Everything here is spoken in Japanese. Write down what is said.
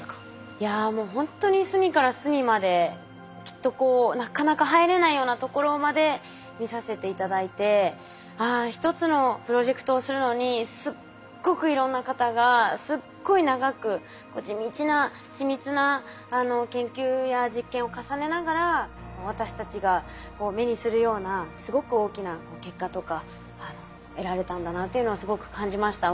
いやもうほんとに隅から隅まできっとなかなか入れないようなところまで見させて頂いてああ一つのプロジェクトをするのにすっごくいろんな方がすっごい長く地道な緻密な研究や実験を重ねながら私たちが目にするようなすごく大きな結果とか得られたんだなっていうのをすごく感じました。